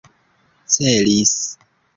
celis